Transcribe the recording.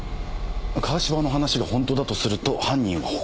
川芝の話が本当だとすると犯人は他にいる。